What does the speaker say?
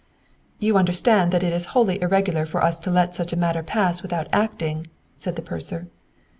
"You understand that it is wholly irregular for us to let such a matter pass without acting " said the purser.